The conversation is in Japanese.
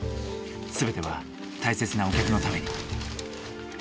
全ては大切なお客のために。